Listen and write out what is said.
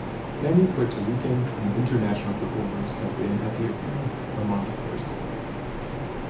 Many Puerto Rican and international performers have been at the arena, among others.